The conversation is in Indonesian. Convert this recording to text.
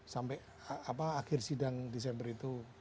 sampai akhir sidang desember itu